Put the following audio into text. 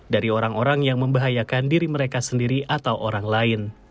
dari orang orang yang membahayakan diri mereka sendiri atau orang lain